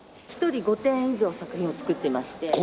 一人５点以上作品を作ってまして。